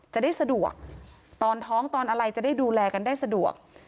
จะได้สะดวกตอนท้องตอนอะไรจะได้ดูแลกันได้สะดวก